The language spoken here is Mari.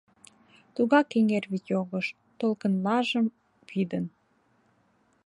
Тугак эҥер вӱд йогыш, толкынлажым пидын.